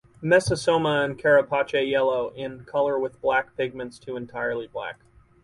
Mesosoma and carapace yellow in color with black pigments to entirely black.